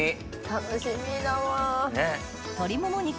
楽しみだわ。